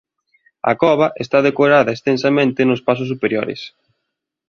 A cova está decorada extensamente nos pasos superiores.